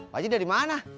pak ji dari mana